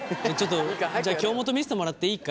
じゃ京本見せてもらっていい？